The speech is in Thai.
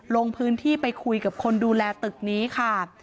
ลงพื้นที่ไปคุยกับคนดูแลตึกนี้ค่ะ